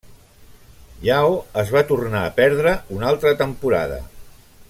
Yao es va tornar a perdre una altra temporada.